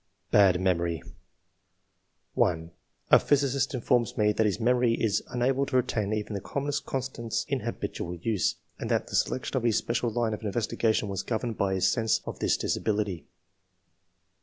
Bad memory. 1. [A physicist informs me that his memory is unable to retain even the commonest constants in habitual use, and that the selection of his special line of investigation was governed by his sense of this disability.